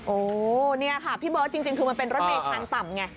โอ้เนี่ยค่ะพี่เบิร์ตจริงคือมันเป็นรถเมชานต่ำไง